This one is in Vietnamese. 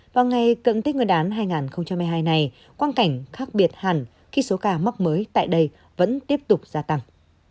vào ngày cận tết nguyên đán hai nghìn hai mươi hai này quan cảnh khác biệt hẳn khi số ca mắc mới tại đây vẫn tiếp tục gia tăng